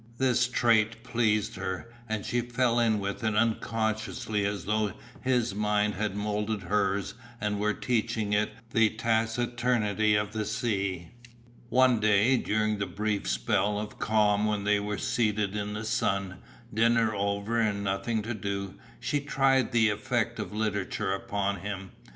This trait pleased her, and she fell in with it unconsciously as though his mind had moulded hers and were teaching it the taciturnity of the sea. One day, during a brief spell of calm when they were seated in the sun, dinner over and nothing to do, she tried the effect of literature upon him.